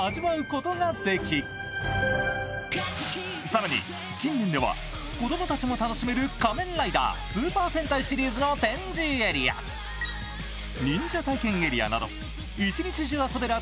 更に近年では子供たちも楽しめる「仮面ライダー」、スーパー戦隊シリーズの展示エリア、忍者体験エリアなど、一日中遊べる